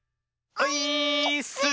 オイーッス！